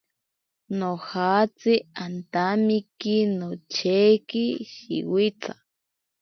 Nojatsi antamiki nocheki shiwitsa.